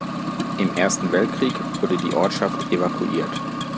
Im Ersten Weltkrieg wurde die Ortschaft evakuiert.